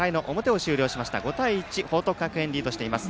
５対１、報徳学園リードしています。